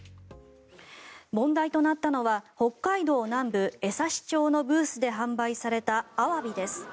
問題となったのは北海道南部江差町のブースで販売されたアワビです。